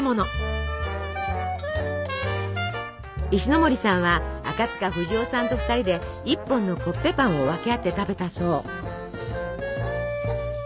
石森さんは赤塚不二夫さんと２人で１本のコッペパンを分け合って食べたそう。